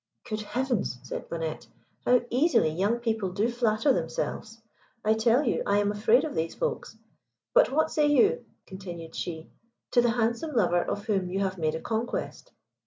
"Good heavens," said Bonnette; "how easily young people do flatter themselves. I tell you I am afraid of those folks. But what say you," continued she, "to the handsome lover of whom you have made a conquest?"